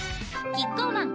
キッコーマン